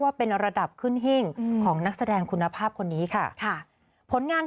เป็นระดับขึ้นหิ้งของนักแสดงคุณภาพคนนี้ค่ะค่ะผลงาน